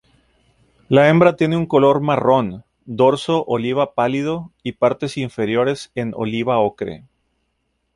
La hembra tiene un color marrón, dorso oliva pálido y partes inferiores en oliva-ocre.